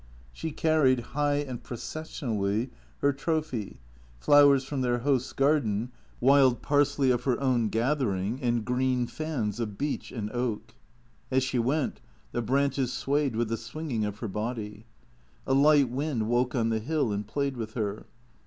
She carried, high and processionally, her trophy, flowers from their host's garden, wild parsley of her own gathering, and green fans of beech and oak. As she went, the branches swayed with the swinging of her body, A light wind woke on the hill and played with her.